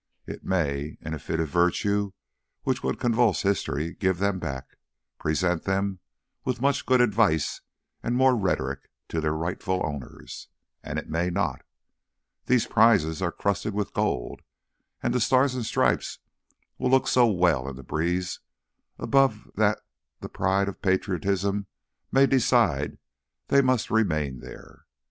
It may, in a fit of virtue which would convulse history, give them back, present them, with much good advice and more rhetoric, to their rightful owners. And it may not. These prizes are crusted with gold; and the stars and stripes will look so well in the breeze above that the pride of patriotism may decide they must remain there.